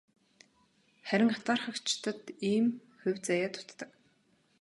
Харин атаархагчдад ийм хувь заяа дутдаг.